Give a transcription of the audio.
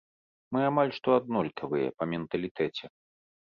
Мы амаль што аднолькавыя па менталітэце.